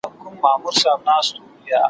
نو ګوربت ایله آګاه په دې اسرار سو `